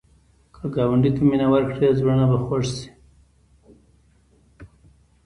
که ګاونډي ته مینه ورکړې، زړونه به خوږ شي